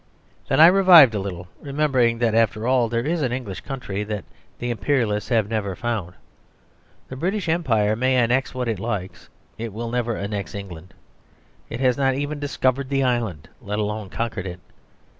Then I revived a little, remembering that after all there is an English country that the Imperialists have never found. The British Empire may annex what it likes, it will never annex England. It has not even discovered the island, let alone conquered it.